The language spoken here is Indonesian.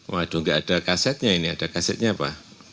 waduh nggak ada kasetnya ini ada kasetnya apa